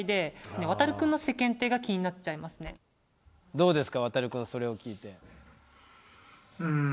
どうですかワタル君それを聞いて。